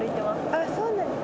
あそうなんですか。